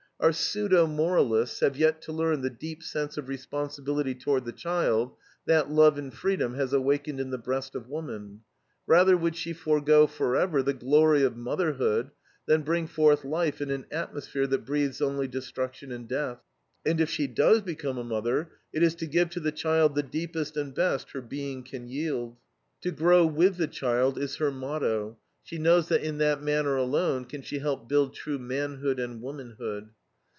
Our pseudo moralists have yet to learn the deep sense of responsibility toward the child, that love in freedom has awakened in the breast of woman. Rather would she forego forever the glory of motherhood than bring forth life in an atmosphere that breathes only destruction and death. And if she does become a mother, it is to give to the child the deepest and best her being can yield. To grow with the child is her motto; she knows that in that manner alone can she help build true manhood and womanhood.